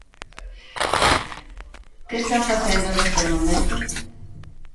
¿Que están facendo neste momento?